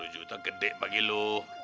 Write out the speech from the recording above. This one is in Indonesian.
sepuluh juta gede bagi lo